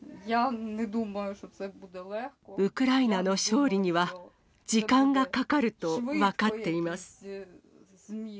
ウクライナの勝利には時間がかかると分かっています。